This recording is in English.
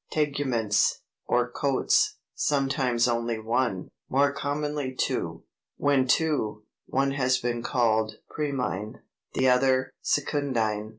TEGUMENTS, or coats, sometimes only one, more commonly two. When two, one has been called PRIMINE, the other SECUNDINE.